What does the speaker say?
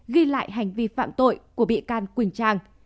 ghi lại hành vi phạm tội của bị can quỳnh trang